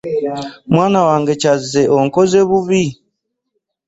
Mwana wange Kyazze onkoze bubi.